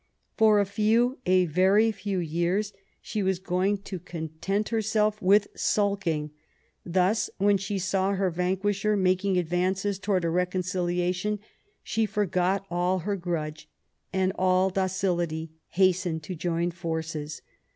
For a few, a very few, years, she was going to content 95 Bismarck herself with sulking ; thus, when she saw her van quisher making advances towards a reconciliation, she forgot all her grudge and, all docility, hastened to join forces.